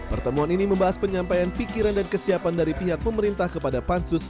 pertemuan ini membahas penyampaian pikiran dan kesiapan dari pihak pemerintah kepada pansus